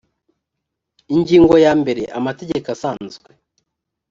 ingingo ya mbere amategeko asanzwe